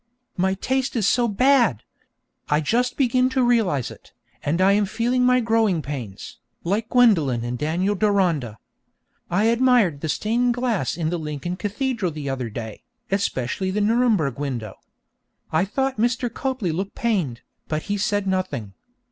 My taste is so bad! I just begin to realize it, and I am feeling my 'growing pains,' like Gwendolen in 'Daniel Deronda.' I admired the stained glass in the Lincoln Cathedral the other day, especially the Nuremberg window. I thought Mr. Copley looked pained, but he said nothing.